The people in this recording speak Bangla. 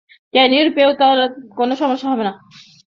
ট্যানিউর পেতেও কোনো সমস্যা হবে না।